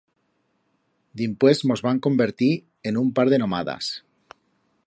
Dimpués mos vam convertir en un par de nomadas.